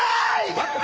待って。